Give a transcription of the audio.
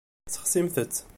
Sexsimt-tt.